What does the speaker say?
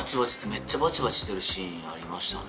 めっちゃバチバチしてるシーンありましたね。